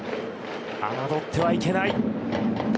侮ってはいけない。